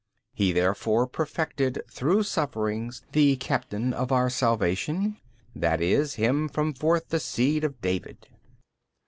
He therefore perfected through sufferings the captain of our salvation, i. e. him from forth the seed of David.